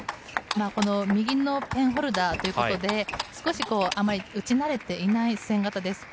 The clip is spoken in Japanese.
右のペンホルダーということであまり打ち慣れていない戦型です。